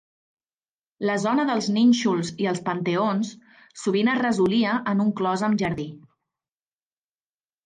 La zona dels nínxols i els panteons sovint es resolia en un clos amb jardí.